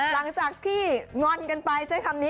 หลังจากที่